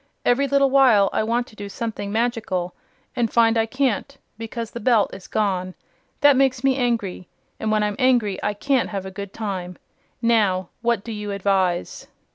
Every little while I want to do something magical, and find I can't because the Belt is gone. That makes me angry, and when I'm angry I can't have a good time. Now, what do you advise?"